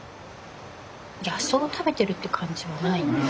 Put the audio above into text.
野草を食べてるって感じはないね。